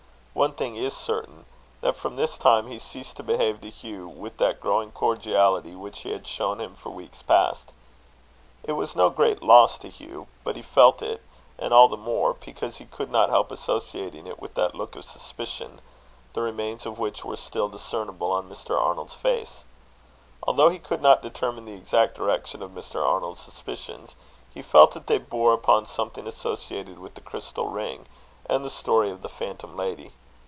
One thing is certain; that from this time he ceased to behave to Hugh with that growing cordiality which he had shown him for weeks past. It was no great loss to Hugh; but he felt it; and all the more, because he could not help associating it with that look of suspicion, the remains of which were still discernible on Mr. Arnold's face. Although he could not determine the exact direction of Mr. Arnold's suspicions, he felt that they bore upon something associated with the crystal ring, and the story of the phantom lady.